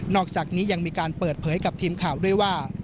อกจากนี้ยังมีการเปิดเผยกับทีมข่าวด้วยว่า